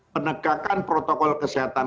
penegakan protokol kesehatan